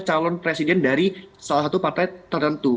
calon presiden dari salah satu partai tertentu